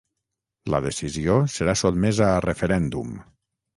La decisió serà sotmesa a referèndum.